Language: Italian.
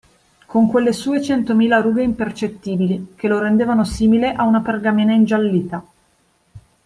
con quelle sue centomila rughe impercettibili, che lo rendevano simile a una pergamena ingiallita.